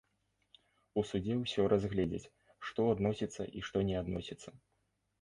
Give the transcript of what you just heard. У судзе ўсё разгледзяць, што адносіцца і што не адносіцца.